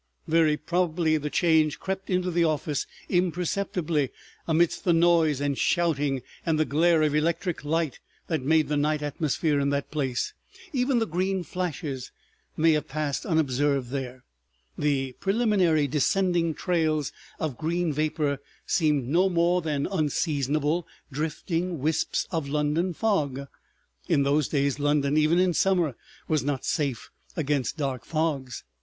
Very probably the Change crept into the office imperceptibly, amidst the noise and shouting, and the glare of electric light that made the night atmosphere in that place; even the green flashes may have passed unobserved there, the preliminary descending trails of green vapor seemed no more than unseasonable drifting wisps of London fog. (In those days London even in summer was not safe against dark fogs.)